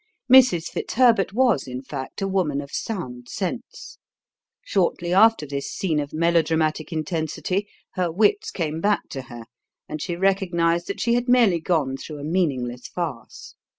Mrs. Fitzherbert was, in fact, a woman of sound sense. Shortly after this scene of melodramatic intensity her wits came back to her, and she recognized that she had merely gone through a meaningless farce.